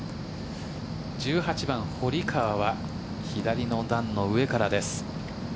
１８番、堀川は左の段の上からです。